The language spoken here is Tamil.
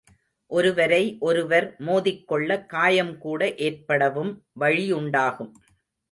ஒருவரை ஒருவர் மோதிக்கொள்ள, காயம்கூட ஏற்படவும் வழியுண்டாகும்.